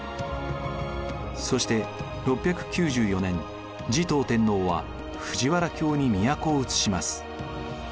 そして６９４年持統天皇は藤原京に都をうつします。